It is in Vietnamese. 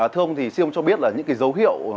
thưa ông thì xin ông cho biết là những cái dấu hiệu